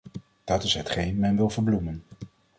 Dat is hetgeen men wil verbloemen.